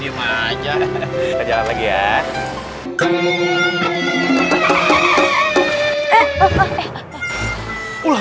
yang jawab siapa dong